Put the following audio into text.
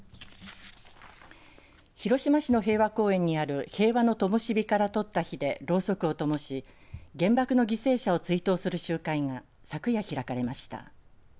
広島市の平和公園にある平和の灯から取った火でろうそくをともし原爆の犠牲者を追悼する集会が昨夜開かれました。